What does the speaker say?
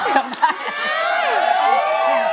ทำได้